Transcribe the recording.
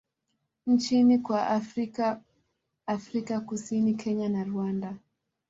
nchini kwa Afrika Afrika Kusini, Kenya na Rwanda.